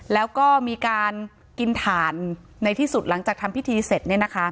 แล้วก็มีการกินถ่านในที่สุดหลังจากทำพิธีเสร็จ